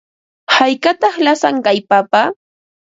¿Haykataq lasan kay papa?